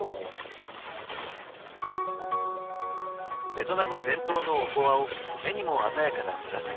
ベトナム伝統のおこわを目にも鮮やかな紫色に。